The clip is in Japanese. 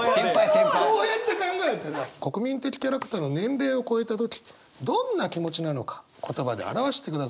そうやって考えたら国民的キャラクターの年齢を超えた時どんな気持ちなのか言葉で表してください。